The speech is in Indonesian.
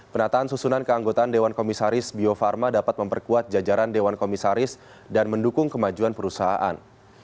penataan susunan keanggotaan dewan komisaris bio farma dapat memperkuat jajaran dewan komisaris dan mendukung kemajuan perusahaan